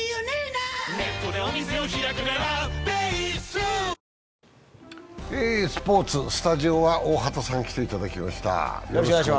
スポ−ツ、スタジオは大畑さんに来ていただきました。